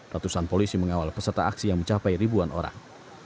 ratusan polisi mengawal peserta aksi yang mencapai ribuan orang